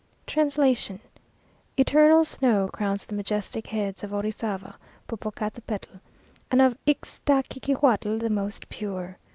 TRANSLATION. Eternal snow crowns the majestic heads Of Orizava, Popocatepetl, And of Ixtaccihuatl the most pure.